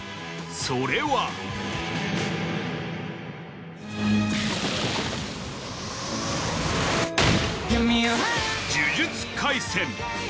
それは『呪術廻戦』